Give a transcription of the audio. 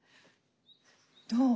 どう？